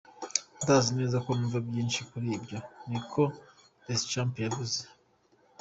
"Ndazi neza ko numva vyinshi kuri ivyo," niko Deschamps yavuze.